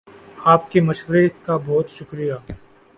آپ کے مشورے کا بہت شکر یہ